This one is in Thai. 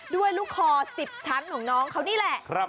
ลูกคอ๑๐ชั้นของน้องเขานี่แหละ